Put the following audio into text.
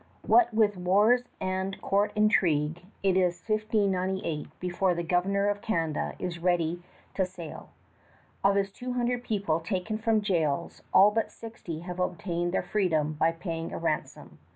What with wars and court intrigue, it is 1598 before the Governor of Canada is ready to sail. Of his two hundred people taken from jails, all but sixty have obtained their freedom by paying a ransom.